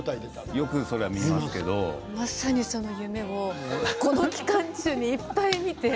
まさにその夢をこの期間中にいっぱいみて。